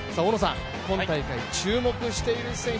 今大会注目している選手